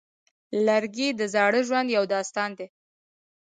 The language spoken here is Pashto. لرګی د زاړه ژوند یو داستان دی.